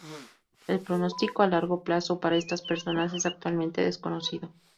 El pronóstico a largo plazo para estas personas es actualmente desconocido.